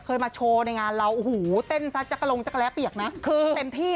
เคยมาโชว์ในงานเราโอ้โหเต้นซะจักรลงจักรแร้เปียกนะคือเต็มที่